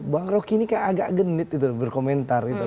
bang roky ini kayak agak genit berkomentar